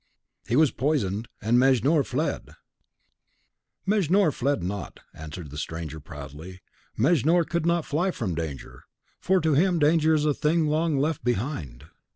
"He was poisoned, and Mejnour fled." "Mejnour fled not," answered the stranger, proudly "Mejnour could not fly from danger; for to him danger is a thing long left behind.